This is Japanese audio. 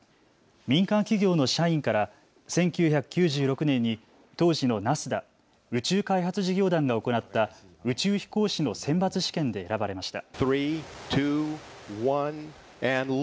民間企業の社員から１９９６年に当時のＮＡＳＤＡ・宇宙開発事業団が行った宇宙飛行士の選抜試験で選ばれました。